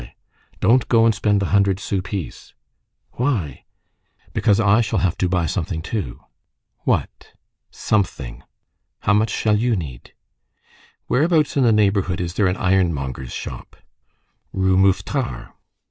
"Don't go and spend the hundred sou piece." "Why?" "Because I shall have to buy something, too." "What?" "Something." "How much shall you need?" "Whereabouts in the neighborhood is there an ironmonger's shop?" "Rue Mouffetard."